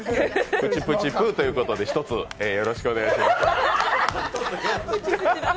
プチプチプーということで一つ、よろしくお願いします。